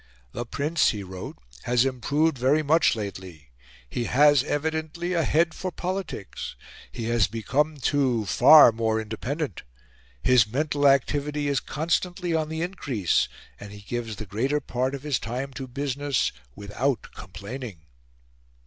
"The Prince," he wrote, "has improved very much lately. He has evidently a head for politics. He has become, too, far more independent. His mental activity is constantly on the increase, and he gives the greater part of his time to business, without complaining."